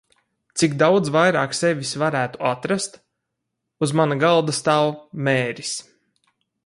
Cik daudz vairāk sevis varētu atrast? Uz mana galda stāv "Mēris".